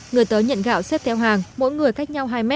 người tới nhận gạo xếp theo hàng mỗi người cách nhau hai m